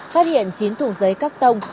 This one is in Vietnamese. phát hiện chín thùng giấy cắt tông